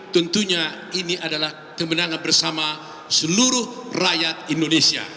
tentunya ini adalah kemenangan bersama seluruh rakyat indonesia